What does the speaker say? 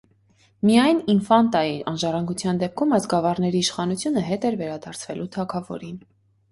Միայն ինֆանտայի անժառանգության դեպքում այս գավառների իշխանությունը հետ էր վերադարձվելու թագավորին։